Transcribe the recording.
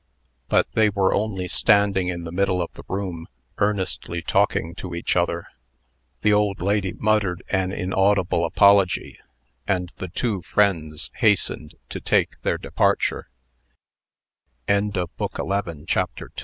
But they were only standing in the middle of the room, earnestly talking to each other. The old lady muttered an inaudible apology; and the two friends hastened to take their departur